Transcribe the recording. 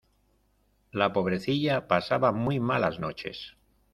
La pobrecilla pasaba muy malas noches.